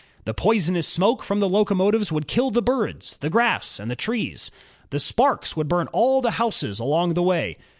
The poisonous smoke from the locomotives would kill the birds, the grass, and the trees. The sparks would burn all the houses along the way.